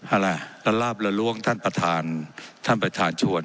อะไรละลาบละล้วงท่านประธานท่านประธานชวน